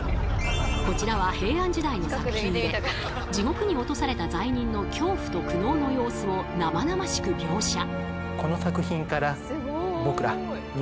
こちらは平安時代の作品で地獄に落とされた罪人の恐怖と苦悩の様子を生々しく描写。